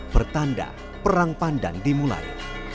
pertanda perang pandan dimulai